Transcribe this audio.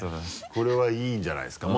これはいいんじゃないですか？